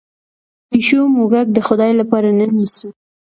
پیشو موږک د خدای لپاره نه نیسي.